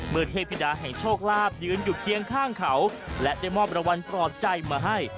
เทพธิดาแห่งโชคลาภยืนอยู่เคียงข้างเขาและได้มอบรางวัลปลอบใจมาให้